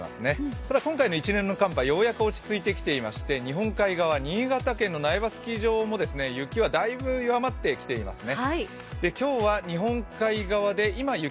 ただ今回の一連の寒波、ようやく落ち着いてきまして日本海側、新潟県の苗場スキー場も雪はだいぶ弱まってきていますね。